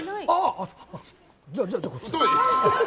あ！じゃあこっちだ！